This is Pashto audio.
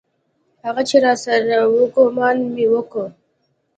هغه چې راسره و ګومان مې کاوه.